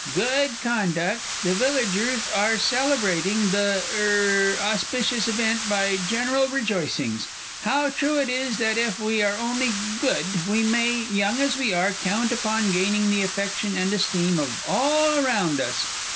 good conduct, the villagers are celebrating the er auspicious event by general rejoicings. How true it is that if we are only good, we may, young as we are, count upon gaining the affection and esteem of all around us!